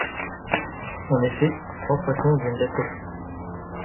En effet, trois poissons viennent d’être pris.